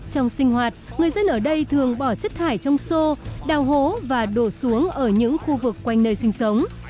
trong sinh hoạt người dân ở đây thường bỏ chất thải trong xô đào hố và đổ xuống ở những khu vực quanh nơi sinh sống